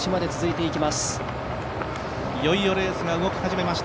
いよいよレースが動き始めました。